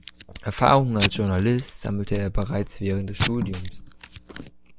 Erfahrungen als Journalist sammelte er bereits während des Studiums.